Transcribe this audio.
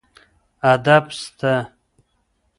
ادب سته.